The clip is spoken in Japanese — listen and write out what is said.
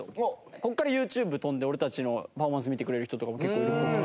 ここからＹｏｕＴｕｂｅ飛んで俺たちのパフォーマンス見てくれる人とかも結構いるっぽくって。